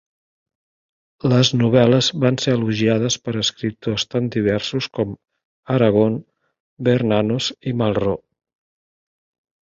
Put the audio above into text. Les novel·les van ser elogiades per escriptors tan diversos com Aragon, Bernanos i Malraux.